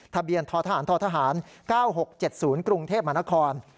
ทะเบียนททหารททหาร๙๖๗๐กรุงเทพมหานคร